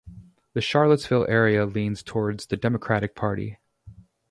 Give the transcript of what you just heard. The Charlottesville area leans towards the Democratic party.